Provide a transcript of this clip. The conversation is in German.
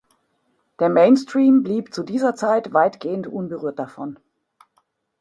Der Mainstream blieb zu dieser Zeit weitgehend unberührt davon.